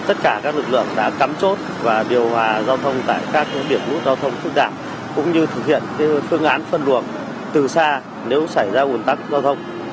tất cả các lực lượng đã cắm chốt và điều hòa giao thông tại các biển nút giao thông phương đảm cũng như thực hiện phương án phân luồng từ xa nếu xảy ra nguồn tắc giao thông